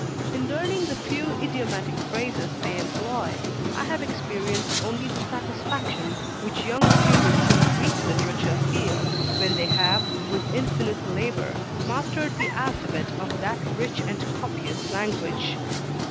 In learning the few idiomatic phrases they employ, I have experienced only the satisfaction which young students in Greek literature feel, when they have, with infinite labor, mastered the alphabet of that rich and copious language.